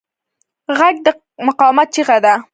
غږ د مقاومت چیغه ده